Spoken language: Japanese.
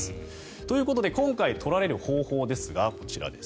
ということで今回取られる方法ですがこちらです。